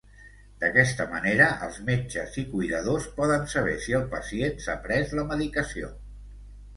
D’aquesta manera els metges i cuidadors poden saber si el pacient s’ha pres la medicació.